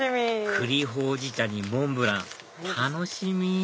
栗焙じ茶にモンブラン楽しみ